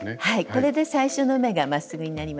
これで最初の目がまっすぐになりました。